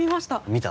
見た？